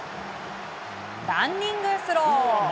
ランニングスロー！